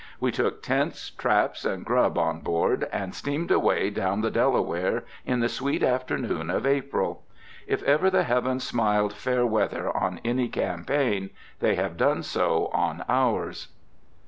We took tents, traps, and grub on board, and steamed away down the Delaware in the sweet afternoon of April. If ever the heavens smiled fair weather on any campaign, they have done so on ours.